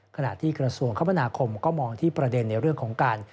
ขณะที่กระทรวงคมนาคมก็มองที่ประเด็นในเรื่องของการ